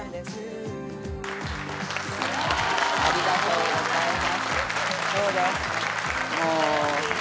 ありがとうございます。